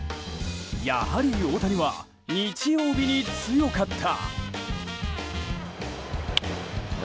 やはり大谷は日曜日に強かった。